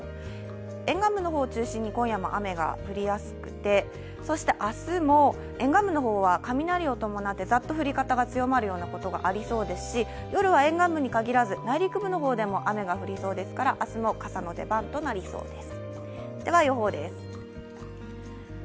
沿岸部を中心に今夜も雨が降りやすくてそして明日も沿岸部の方は雷を伴ってざっと降り方が強まるところがありそうですし、夜は沿岸部に限らず内陸部の方でも雨が降りやすくなりますから傘の出番となりそうです。